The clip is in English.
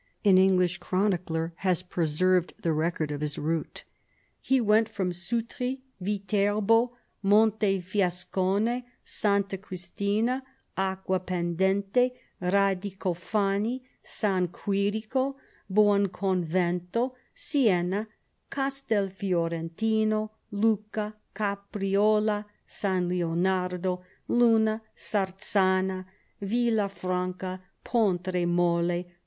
An English chronicler has preserved the record of his route. He went by Sutri, Viterbo, Montenascone, Santa Christina, Acquapendente, Radicofani, San Quirico, Buonconvento, Sienna, Castel Fiorentino, Lucca, Capriola, San Lionardo, Luna, Sarzana, Villa Franca, Pontremoli.